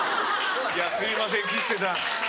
いやすいません吉瀬さん。